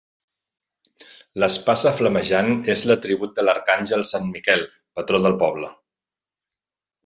L'espasa flamejant és l'atribut de l'arcàngel sant Miquel, patró del poble.